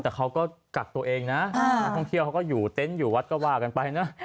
แต่เขาก็กักตัวเองนะนักท่องเที่ยวเขาก็อยู่เต็นต์อยู่วัดก็ว่ากันไปนะ